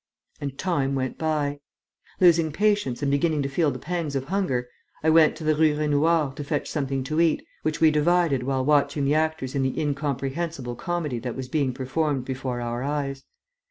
And time went by. Losing patience and beginning to feel the pangs of hunger, I went to the Rue Raynouard to fetch something to eat, which we divided while watching the actors in the incomprehensible comedy that was being performed before our eyes.